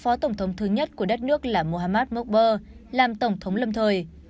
phó tổng thống thứ nhất của đất nước là mohammad morbes làm tổng thống lâm thời